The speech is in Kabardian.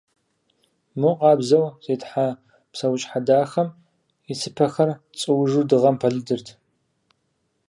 Мо къабзэу зетхьэ псэущхьэ дахэм и цыпэхэр цӀуужу дыгъэм пэлыдырт.